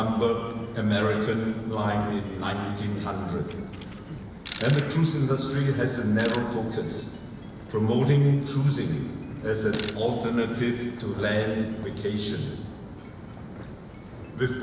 mempromosikan kapal pesiar sebagai alternatif untuk pernikahan tanah